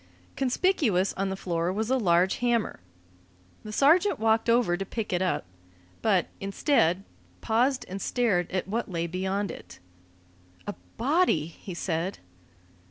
Conspicuous on the floor was a large hammer. The sergeant walked over to pick it up, but, instead, paused and stared at what lay beyond it. "A body!" he said.